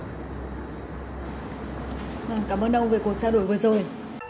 cảm ơn đâu về cuộc trao đổi vừa rồi